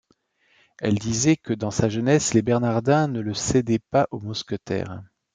Elle disait que dans sa jeunesse les bernardins ne le cédaient pas aux mousquetaires.